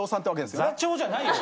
座長じゃないよ。